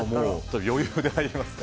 余裕で入りますね。